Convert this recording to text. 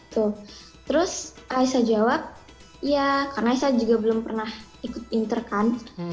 terus aisyah jawab ya karena saya juga belum pernah ikut pinter kan